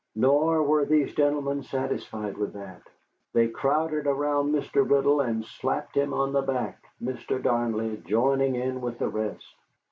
Nor were these gentlemen satisfied with that. They crowded around Mr. Riddle and slapped him on the back, Mr. Darnley joining in with the rest.